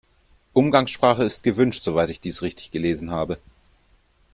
Umgangssprache ist gewünscht, soweit ich dies richtig gelesen habe.